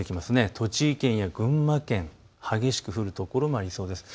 栃木県や群馬県、激しく降る所もありそうです。